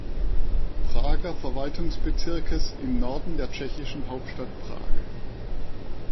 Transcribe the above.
Prager Verwaltungsbezirkes im Norden der tschechischen Hauptstadt Prag.